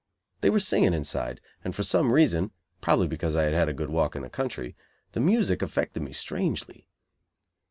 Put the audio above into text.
They were singing inside, and for some reason, probably because I had had a good walk in the country, the music affected me strangely.